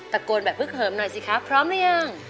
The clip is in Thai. ตะโกนแบบพึกเหิมหน่อยสิคะพร้อมหรือยัง